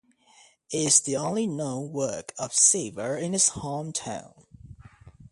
It is the only known work of Seaver in his home town.